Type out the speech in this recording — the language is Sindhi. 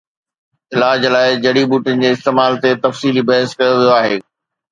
علاج لاءِ جڙي ٻوٽين جي استعمال تي تفصيلي بحث ڪيو ويو آهي